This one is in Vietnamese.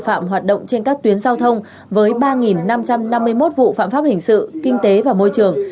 phạm hoạt động trên các tuyến giao thông với ba năm trăm năm mươi một vụ phạm pháp hình sự kinh tế và môi trường